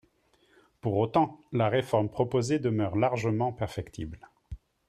Pour autant, la réforme proposée demeure largement perfectible.